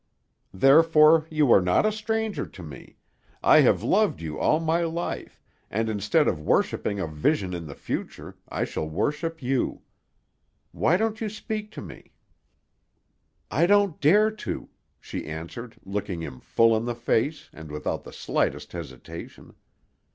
Therefore you are not a stranger to me; I have loved you all my life, and instead of worshipping a vision in the future I shall worship you. Why don't you speak to me?" "I don't dare to," she answered, looking him full in the face, and without the slightest hesitation.